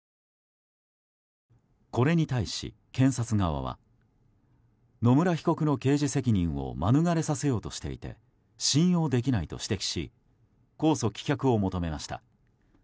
これに対し、検察側は野村被告の刑事責任を免れさせようとしていて信用できないと指摘し控訴棄却を求めました。